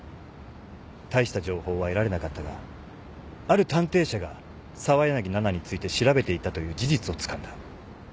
大した情報は得られなかったがある探偵社がさわやなぎななについて調べていたという事実をつかんだ。